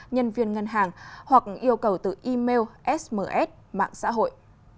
nhân viên ngân hàng hoặc yêu cầu từ email sms mạng xã hội